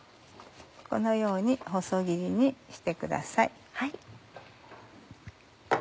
このように細切りにしてください。